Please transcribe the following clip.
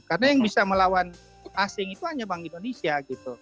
karena yang bisa melawan asing itu hanya bank indonesia gitu